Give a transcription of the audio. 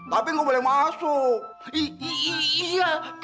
tapi gak boleh masuk